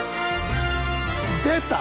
出た！